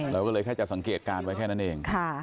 เราก็เลยแค่จะสังเกตการณ์ไว้แค่นั้นเอง